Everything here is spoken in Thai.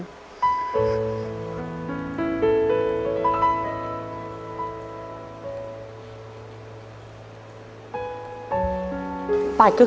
พ่อจะต้องเจ็บกว่าลูกหลายเท่านั้น